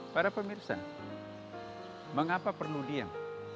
para pemirsa mengapa perlu diam